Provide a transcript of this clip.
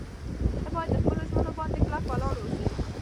ته باید په خپلو ژمنو باندې کلک ولاړ واوسې.